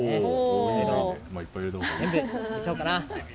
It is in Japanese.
全部入れちゃおうかな。